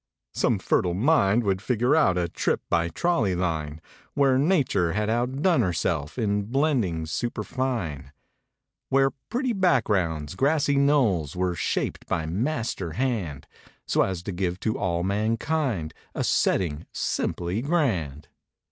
Some fertile mind would figure out A trip by trolley line. Where Nature had outdone herself Jn blendings, superfine; Where pretty backgrounds; grassy knolls, 103 Were shaped by Master hand, So as to give to all mankind A setting, simply grand.